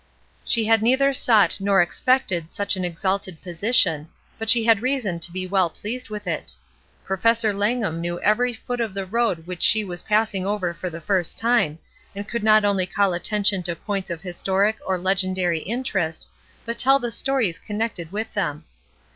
She had neither sought for nor expected such an exalted position, but she had reason to be well HARMONY AND DISCORD 123 pleased with it. Professor Langham knew every foot of the road which she was passing over for the first time, and could not only call attention to points of historic or legendary interest, but tell the stories connected with them.